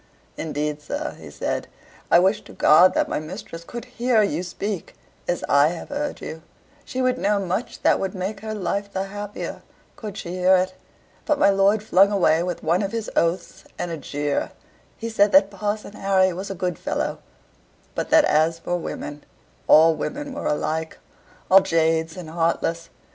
"Indeed, sir," said he, "I wish to God that my mistress could hear you speak as I have heard you; she would know much that would make her life the happier, could she hear it." But my lord flung away with one of his oaths, and a jeer; he said that Parson Harry was a good fellow; but that as for women, all women were alike all jades and heartless.